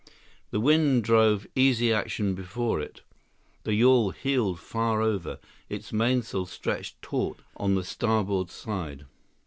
The wind drove Easy Action before it. The yawl heeled far over, its mainsail stretched taut on the starboard side.